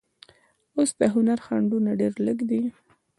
اوس د هنر خنډونه ډېر لږ دي.